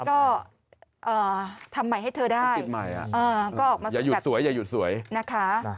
ก็ทำใหม่ให้เธอได้ก็ออกมาอย่าหยุดสวยอย่าหยุดสวยนะคะ